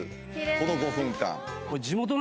この５分間。